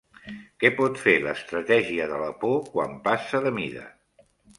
Què pot fer l'estratègia de la por quan passa de mida?